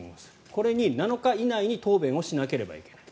これに７日以内に答弁をしなければいけない。